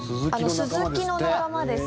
スズキの仲間です。